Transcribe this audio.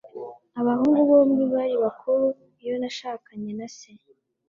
Abahungu bombi bari bakuru iyo nashakanye na se.